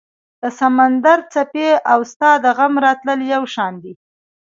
د سمندر څپې او ستا د غم راتلل یو شان دي